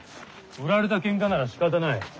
売られた喧嘩ならしかたない。